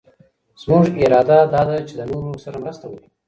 زمونږ اراده دا ده چي د نورو سره مرسته وکړو.